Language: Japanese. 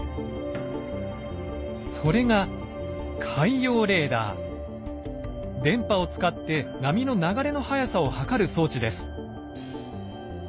それが電波を使って波の流れの速さを測る装置です。